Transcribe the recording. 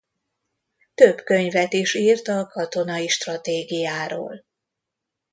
Több könyvet is írt a katonai stratégiáról.